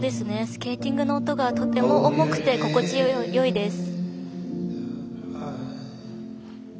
スケーティングの音がとっても重くて心地よいです。